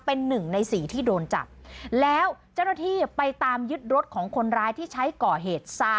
เป็น๑ใน๔ที่โดนจับแล้วเจ้าหน้าที่ไปตามยึดรถของคนร้ายที่ใช้ก่อเหตุ